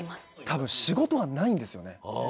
多分仕事がないんですよね。